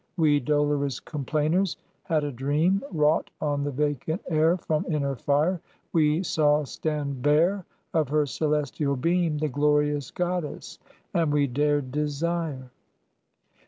We dolorous complainers had a dream, Wrought on the vacant air from inner fire, We saw stand bare of her celestial beam The glorious Goddess, and we dared desire.